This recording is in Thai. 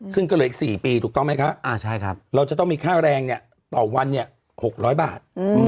ซึ่งก็เหลืออีก๔ปีถูกต้องไหมคะเราจะต้องมีค่าแรงต่อวัน๖๐๐บาท